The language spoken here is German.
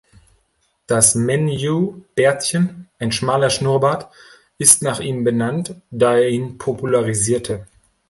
Das Menjou-Bärtchen, ein schmaler Schnurrbart, ist nach ihm benannt, da er ihn popularisierte.